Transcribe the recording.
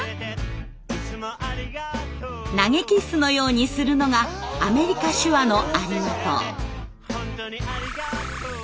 投げキッスのようにするのがアメリカ手話の「ありがとう」。